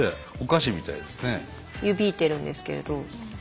湯引いてるんですけれど。